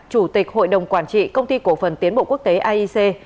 chủ tịch hội đồng quản trị công ty cổ phần tiến bộ quốc tế aic